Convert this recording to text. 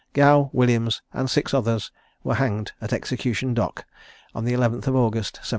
Gow, Williams, and six others, were hanged at Execution Dock, on the 11th of August, 1729.